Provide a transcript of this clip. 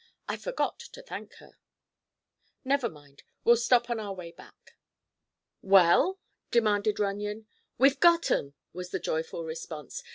"I forgot to thank her. Never mind; we'll stop on our way back." "Well?" demanded Runyon. "We've got 'em!" was the joyful response.